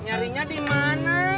nyarinya di mana